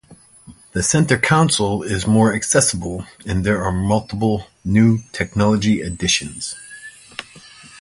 The centre console is more accessible and there are multiple new technology additions.